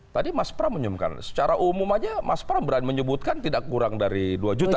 tadi mas pram menyebutkan secara umum aja mas pram berani menyebutkan tidak kurang dari dua juta